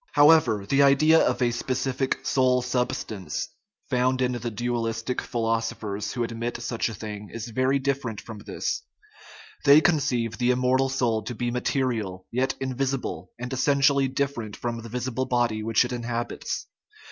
However, the idea of a specific " soul substance " 198 THE IMMORTALITY OF THE SOUL found in the dualistic philosophers who admit such a thing is very different from this. They conceive the immortal soul to be material, yet invisible, and essentially different from the visible body which it inhabits.